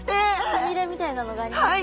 つみれみたいなのがありますけど。